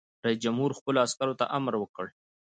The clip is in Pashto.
رئیس جمهور خپلو عسکرو ته امر وکړ؛ هیڅکله ناهیلي کیږئ مه!